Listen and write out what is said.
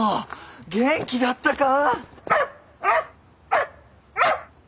元気だったか。